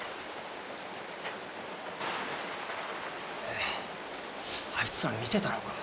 えあいつら見てたのか。